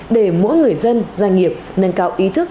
để mỗi người dân doanh nghiệp nâng cao ý thức